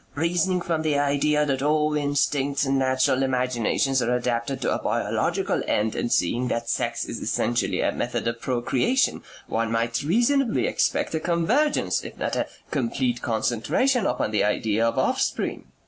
Reasoning from the idea that all instincts and natural imaginations are adapted to a biological end and seeing that sex is essentially a method of procreation, one might reasonably expect a convergence, if not a complete concentration, upon the idea of offspring.